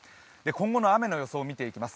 今後の雨の予想を見ていきます。